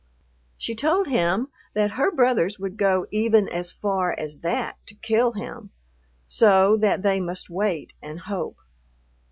She told him that her brothers would go even as far as that to kill him, so that they must wait and hope.